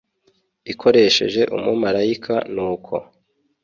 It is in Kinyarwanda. ikoresheje umumarayika nuko